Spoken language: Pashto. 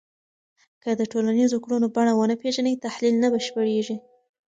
که د ټولنیزو کړنو بڼه ونه پېژنې، تحلیل نه بشپړېږي